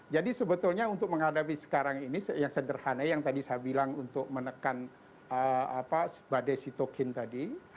jadi sebetulnya untuk menghadapi sekarang ini yang sederhana yang tadi saya bilang untuk menekan badai sitokin tadi